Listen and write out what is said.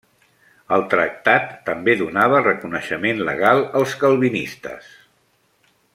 El tractat també donava reconeixement legal als calvinistes.